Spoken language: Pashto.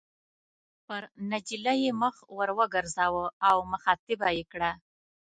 پر نجلۍ یې مخ ور وګرځاوه او مخاطبه یې کړه.